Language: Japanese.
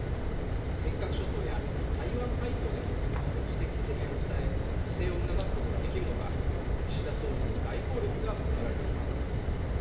尖閣諸島や台湾海峡での軍事的懸念を伝え、自制を促すことができるのか岸田総理の外交力が求められています。